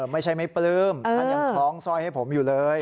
ไม่ใช่ไม่ปลื้มมันยังคล้องสร้อยให้ผมอยู่เลย